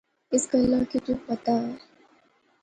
اسے گلاہ کہ تو پتہ وہے